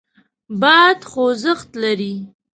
باد خوځښت لري.